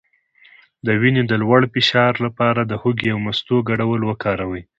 د وینې د لوړ فشار لپاره د هوږې او مستو ګډول وکاروئ